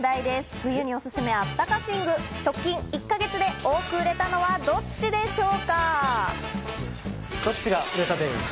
冬に冬のあったか寝具、直近１か月で多く売れたのはどっちでしょうか？